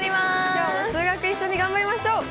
今日も数学一緒に頑張りましょう！